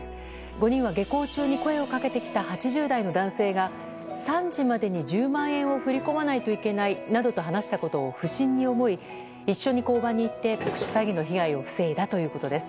５人は、下校中に声をかけてきた８０代の男性が３時までに１０万円を振り込まないといけないなどと話したことを不審に思い一緒に交番に行って特殊詐欺の被害を防いだということです。